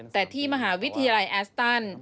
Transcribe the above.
แต่ที่มหาวิทยาลัยแอสตัน